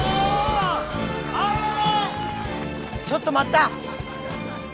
ちょっと待った！